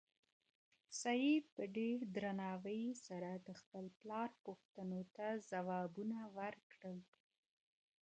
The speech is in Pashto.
سعید په ډېر درناوي سره د خپل پلار پوښتنو ته ځوابونه ورکړل.